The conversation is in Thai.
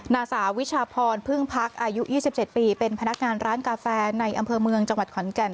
นางสาววิชาพรพึ่งพักอายุ๒๗ปีเป็นพนักงานร้านกาแฟในอำเภอเมืองจังหวัดขอนแก่น